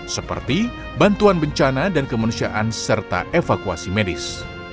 seperti bantuan bencana dan kemanusiaan serta evakuasi medis